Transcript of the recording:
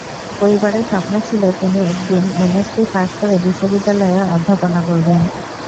পরিবারের স্বপ্ন ছিল, তিনি একদিন এমএসসি পাস করে বিশ্ববিদ্যালয়ে অধ্যাপনা করবেন।